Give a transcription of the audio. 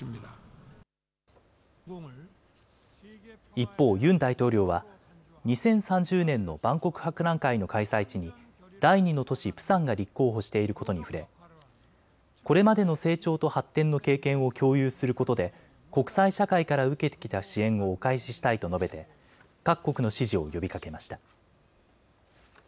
一方、ユン大統領は２０３０年の万国博覧会の開催地に第２の都市プサンが立候補していることに触れこれまでの成長と発展の経験を共有することで国際社会から受けてきた支援をお返ししたいと述べて各国の支持を呼びかけました。